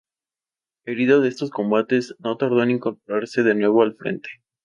Herido en estos combates, no tardó en incorporarse de nuevo al frente.